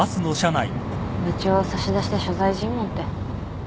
部長を差し出して所在尋問って。